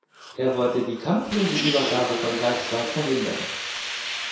Er wollte die kampflose Übergabe von Greifswald verhindern.